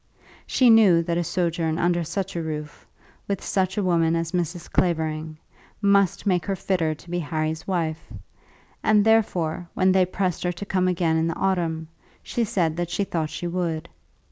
She knew that a sojourn under such a roof, with such a woman as Mrs. Clavering, must make her fitter to be Harry's wife; and, therefore, when they pressed her to come again in the autumn, she said that she thought she would.